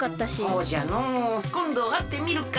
そうじゃのうこんどあってみるか。